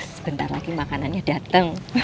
sebentar lagi makanannya datang